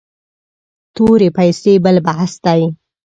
تورې پیسې بل بحث دی.